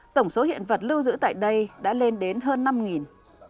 tổng số hiện vật lưu giữ tại đây đã lên đến hơn năm